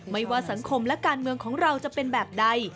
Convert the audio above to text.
ไม่ว่าสังคมและการเมืองของเราจะเป็นแบบใด